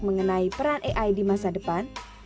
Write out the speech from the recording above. mengenai peran ai di masa depan